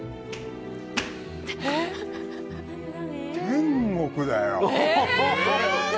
天国だよ。